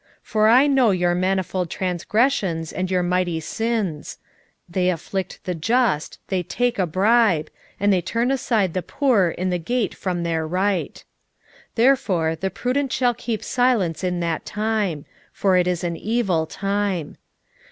5:12 For I know your manifold transgressions and your mighty sins: they afflict the just, they take a bribe, and they turn aside the poor in the gate from their right. 5:13 Therefore the prudent shall keep silence in that time; for it is an evil time.